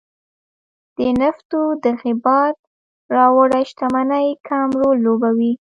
د نفتو دغې باد راوړې شتمنۍ کم رول لوبولی.